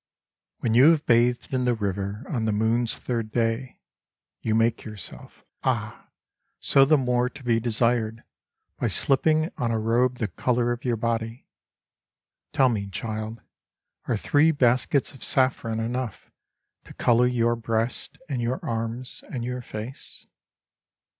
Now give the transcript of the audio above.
WHEN you have bathed in the river On the moon's third day, You make yourself, ah, so the more to be desired By slipping on a robe the colour of your body. Tell me, child, are three baskets of saffron enough To colour your breasts and your arms and your face